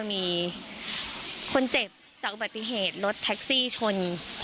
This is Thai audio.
มีคนเจ็บจากอุบัติเหตุรถแท็กซี่ชน